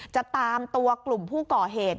จะตามตัวกลุ่มผู้ก่อเหตุ